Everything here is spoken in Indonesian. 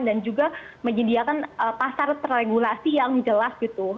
dan juga menyediakan pasar terregulasi yang jelas